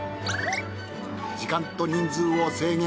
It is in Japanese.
時間と人数を制限。